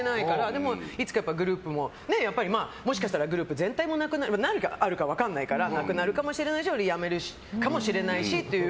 でも、いつかグループももしかしたら何があるか分からないからグループ全体がなくなるかもしれないし辞めるかもしれないしっていう。